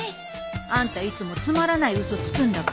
あんたいつもつまらない嘘つくんだから。